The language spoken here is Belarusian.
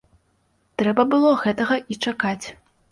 Трэба было гэтага і чакаць.